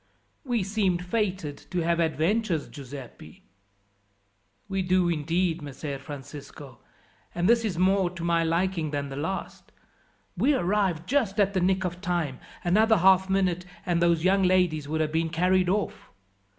"We seem fated to have adventures, Giuseppi." "We do indeed, Messer Francisco, and this is more to my liking than the last. We arrived just at the nick of time; another half minute and those young ladies would have been carried off.